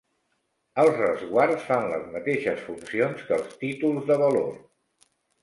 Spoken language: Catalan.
Els resguards fan les mateixes funcions que els títols de valor.